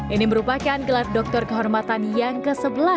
ini merupakan gelar doktor kehormatan yang ke sebelas